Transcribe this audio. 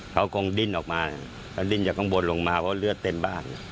เขาคงดิ้นออกมาเขาดิ้นจากข้างบนลงมาเพราะเลือดเต็มบ้าน